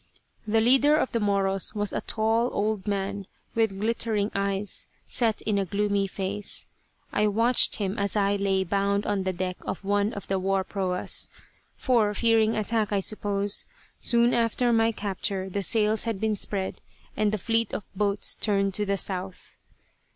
The leader of the Moros was a tall old man with glittering eyes set in a gloomy face. I watched him as I lay bound on the deck of one of the war proas; for, fearing attack I suppose, soon after my capture the sails had been spread and the fleet of boats turned to the south.